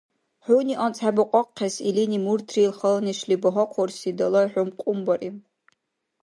Гьуни анцӀхӀебукьахъес илини муртрил хала нешли багьахъурси далай хӀум-къумбариб